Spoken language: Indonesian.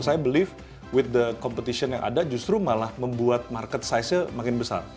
saya believe with the competition yang ada justru malah membuat market size nya makin besar